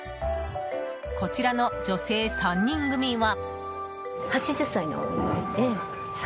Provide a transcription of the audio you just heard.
こちらの女性３人組は。